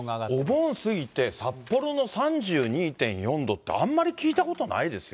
お盆過ぎて、札幌の３２．４度って、あんまり聞いたことないですよ。